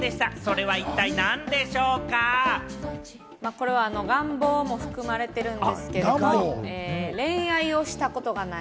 これは願望も含まれてるんですけれども、恋愛をしたことがない。